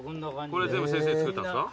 これ全部先生作ったんすか？